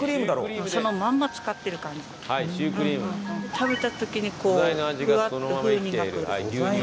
食べた時にこうふわっと風味が。